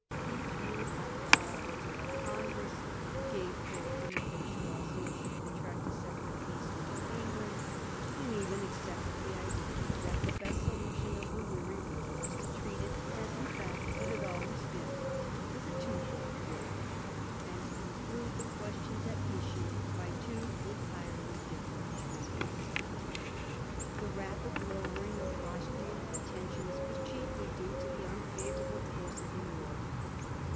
He threw up all hope of a congress, gave full leave that Choiseul should contract a separate peace with England, and even accepted the idea that the best solution of the weary war was to treat it, as in fact it had always been, as a twofold war, and to conclude the questions at issue by two entirely different treaties The rapid lowering of Austrian pretensions was chiefly due to the unfavourable course of the war.